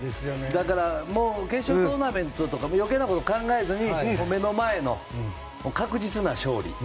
だから決勝トーナメントとか余計なことを考えずに目の前の確実な勝利。